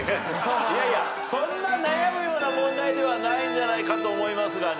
いやいやそんな悩むような問題ではないんじゃないかと思いますがね。